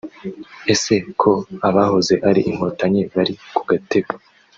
Ese ko abahoze ari inkotanyi bari ku gatebe